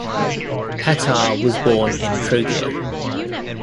Petar was born in Trogir.